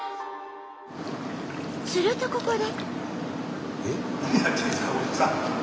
するとここで。